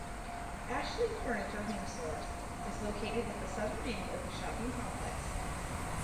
Ashley Furniture HomeStores is located at the southern end of the shopping complex.